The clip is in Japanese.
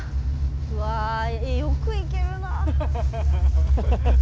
うわあよく行けるな。